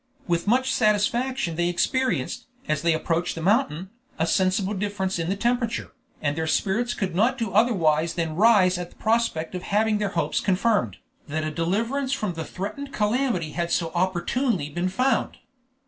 With much satisfaction they experienced, as they approached the mountain, a sensible difference in the temperature, and their spirits could not do otherwise than rise at the prospect of having their hopes confirmed, that a deliverance from the threatened calamity had so opportunely been found.